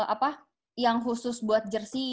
apa yang khusus buat jersi